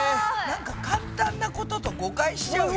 簡単なことと誤解しちゃうよ